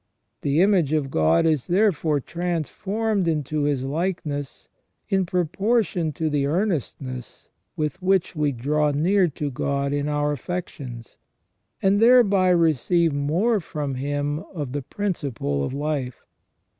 The image of God is therefore transformed into His likeness in pro portion to the earnestness with which we draw near to God in our affections, and thereby receive more from Him of the prin ciple of life.